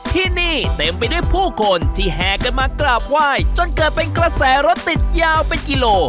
ที่นี่เต็มไปด้วยผู้คนที่แห่กันมากราบไหว้จนเกิดเป็นกระแสรถติดยาวเป็นกิโล